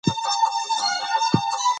غزني د افغانستان یوه طبیعي ځانګړتیا ده.